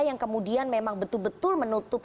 yang kemudian memang betul betul menutup